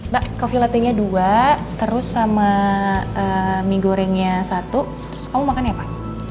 mbak kopi latte nya dua terus sama mie gorengnya satu terus kamu makan apa